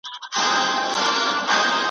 هى افسوس چي پر تا تېر سول زر كلونه ,